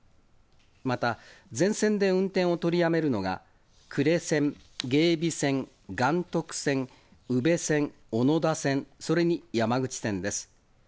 また、全線で運転を取りやめるのが、呉線、芸備線、岩徳線、宇部線、小野田線、それに山口線です。